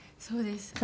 そうです。